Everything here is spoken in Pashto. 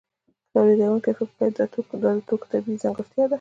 تولیدونکی فکر کوي دا د توکو طبیعي ځانګړتیا ده